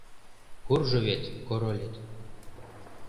Куржо вет королет.